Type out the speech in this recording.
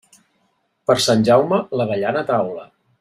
Per Sant Jaume, l'avellana a taula.